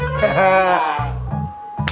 betakasih paham nadif